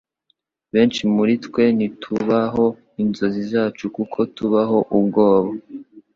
Benshi muritwe ntitubaho inzozi zacu kuko tubaho ubwoba.”